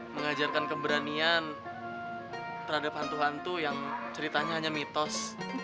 mengajarkan keberanian terhadap hantu hantu yang ceritanya hanya mitos